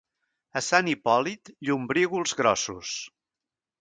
A Sant Hipòlit, llombrígols grossos.